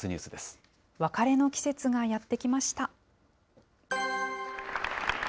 別れの季節がやって来ました。